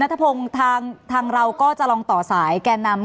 ได้ค่ะคุณนัทพงค์ทางเราก็จะลองต่อสายแก่นำ